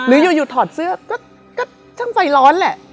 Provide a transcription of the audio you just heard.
หรืออยู่ถอดเสื้อก็ช่างไฟร้อนแหละ